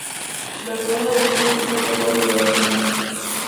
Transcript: La corona de espinas está tallada sobre la misma imagen.